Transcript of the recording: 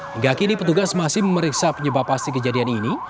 hingga kini petugas masih memeriksa penyebab pasti kejadian ini